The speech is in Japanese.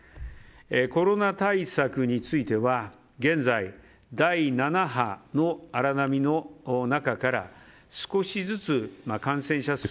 コロナ対策については現在、第７波の荒波の中から少しずつ感染者数が。